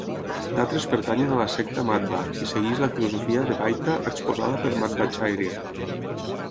D'altres pertanyen a la secta Madhva, que segueix la filosofia Dvaita exposada per Madhvacharya.